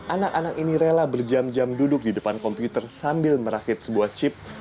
anak anak ini rela berjam jam duduk di depan komputer sambil merakit sebuah chip